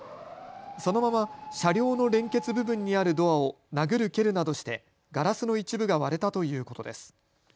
そのまま車両の連結部分にあるドアを殴る蹴るなどしてガラスの一部が割れたということです。